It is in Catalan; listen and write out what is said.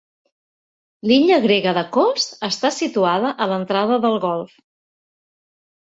L'illa grega de Kos està situada a l'entrada del golf.